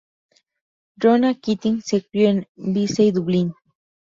Ronan Keating se crio en Bayside, Dublín.